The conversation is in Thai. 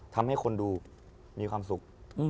ทำให้คนดูมีความสุข